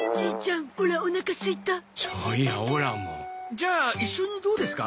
じゃあ一緒にどうですか？